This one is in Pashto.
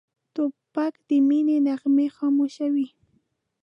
توپک د مینې نغمې خاموشوي.